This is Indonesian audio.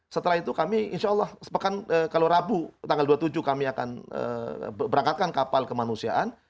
setelah itu kami insya allah sepekan kalau rabu tanggal dua puluh tujuh kami akan berangkatkan kapal kemanusiaan